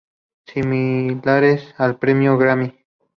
Similares al Premio Grammy.